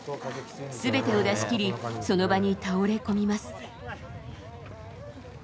全てを出し切りその場に倒れ込みます。